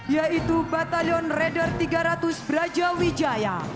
yaitu batalion rader tiga ratus braja wijaya